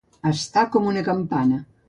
Estar com una campana.